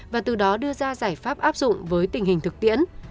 và từ đó đưa ra giải pháp áp dụng với tình hình thực tiễn